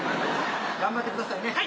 頑張ってくださいね。